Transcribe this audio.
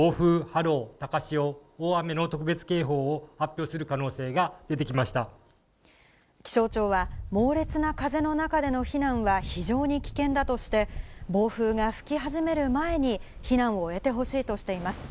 波浪高潮大雨の特別警報を発表する可能性が出気象庁は、猛烈な風の中での避難は非常に危険だとして、暴風が吹き始める前に、避難を終えてほしいとしています。